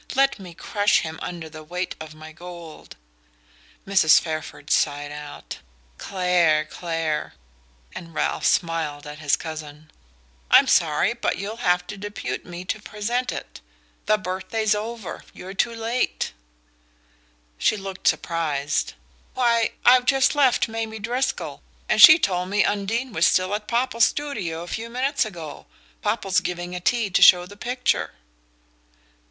Let me crush him under the weight of my gold." Mrs. Fairford sighed out "Clare Clare!" and Ralph smiled at his cousin. "I'm sorry; but you'll have to depute me to present it. The birthday's over; you're too late." She looked surprised. "Why, I've just left Mamie Driscoll, and she told me Undine was still at Popple's studio a few minutes ago: Popple's giving a tea to show the picture."